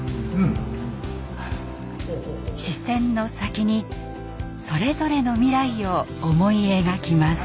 視線の先にそれぞれの未来を思い描きます。